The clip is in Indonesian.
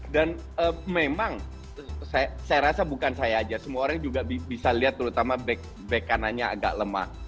dan memang saya rasa bukan saya saja semua orang juga bisa lihat terutama back kanannya agak lemah